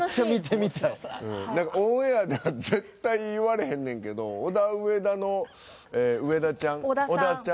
オンエアでは絶対言われへんねんけどオダウエダの植田ちゃん？